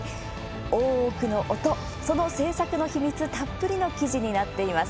「大奥」の音、その制作の秘密たっぷりの記事になっています。